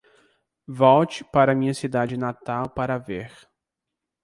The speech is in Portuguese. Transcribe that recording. Volte para minha cidade natal para ver